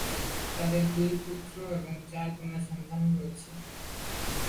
তাদের দুই পুত্র এবং চার কন্যা সন্তান রয়েছে।